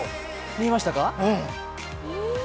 見えましたか？